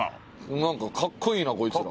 なんか格好いいなこいつら。